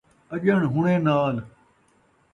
اڄݨ ہݨیں نال